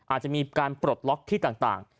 อาจจะมีการปลดล็อกที่ต่าง